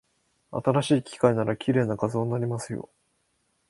新しい機械なら、綺麗な画像になりますよ。